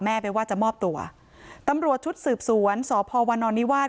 ไปว่าจะมอบตัวตำรวจชุดสืบสวนสพวนอนนิวาส